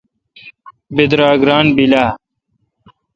بیدراگ ران بیل اہ؟